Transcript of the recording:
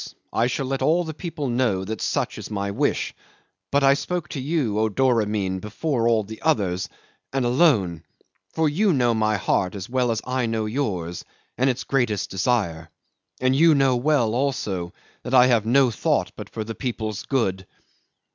I shall let all the people know that such is my wish; but I spoke to you, O Doramin, before all the others, and alone; for you know my heart as well as I know yours and its greatest desire. And you know well also that I have no thought but for the people's good."